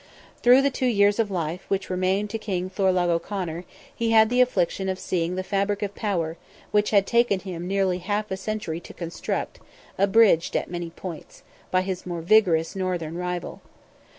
During the two years of life—which remained to King Thorlogh O'Conor, he had the affliction of seeing the fabric of power, which had taken him nearly half a century to construct, abridged at many points, by his more vigorous northern rival.